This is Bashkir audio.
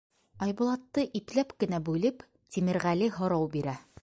Айбулатты ипләп кенә бүлеп, Тимерғәле һорау бирә: